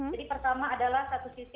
jadi pertama adalah satu sisi